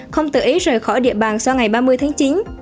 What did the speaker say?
không tự ý rời khỏi địa bàn sau ngày ba mươi tháng chín